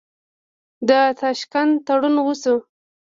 د تاشکند تړون وشو.